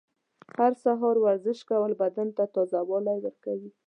هر سهار ورزش کول بدن ته تازه والی ورکوي.